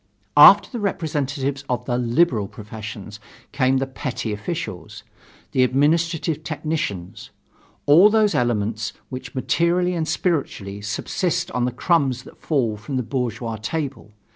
After the representatives of the "liberal" professions came the petty officials, the administrative technicians all those elements which materially and spiritually subsist on the crumbs that fall from the bourgeois table.